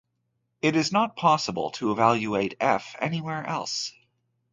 It is not possible to evaluate "f" anywhere else.